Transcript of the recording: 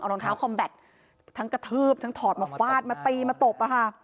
รองเท้าคอมแบตทั้งกระทืบทั้งถอดมาฟาดมาตีมาตบอะค่ะ